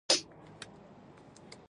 ایا ستاسو وخت ضایع نه شو؟